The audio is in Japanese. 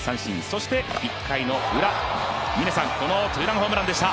そして１回のウラ、このツーランホームランでした。